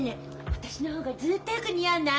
私の方がずっとよく似合わない？